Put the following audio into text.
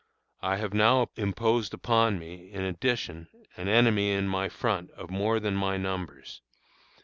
I have now imposed upon me, in addition, an enemy in my front of more than my numbers.